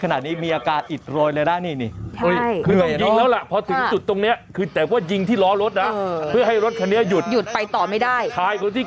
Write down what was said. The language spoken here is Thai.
เนี่ยหูดูดิ